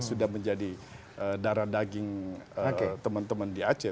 sudah menjadi darah daging teman teman di aceh